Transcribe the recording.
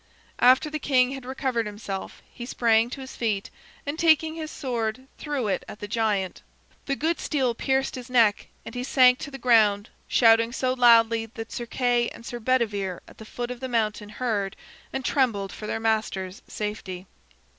After the king had recovered himself, he sprang to his feet, and taking his sword, threw it at the giant. The good steel pierced his neck, and he sank to the ground, shouting so loudly that Sir Kay and Sir Bedivere at the foot of the mountain heard, and trembled for their master's safety.